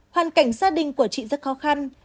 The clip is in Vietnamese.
hoàn cảnh gia đình của chị rất khó khăn